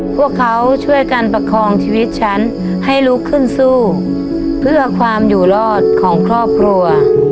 พวกเขาช่วยกันประคองชีวิตฉันให้ลุกขึ้นสู้เพื่อความอยู่รอดของครอบครัว